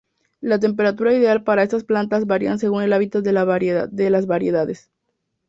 La temperatura ideal para estas plantas varía según el hábitat de las variedades.